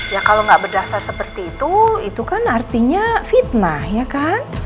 ya kalau nggak berdasar seperti itu itu kan artinya fitnah ya kan